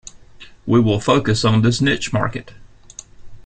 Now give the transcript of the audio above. We will focus on this niche market.